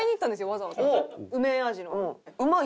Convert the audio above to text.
わざわざ梅味の。